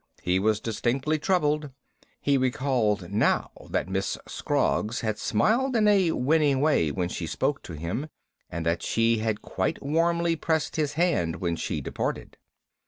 He was distinctly troubled. He recalled now that Miss Scroggs had smiled in a winning way when she spoke to him, and that she had quite warmly pressed his hand when she departed.